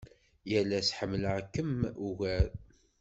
Yal ass ḥemmleɣ-ken ugar.